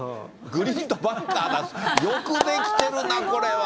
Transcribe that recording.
グリーンとバンカーだ、よく出来てるな、これは。